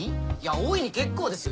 おおいに結構ですよ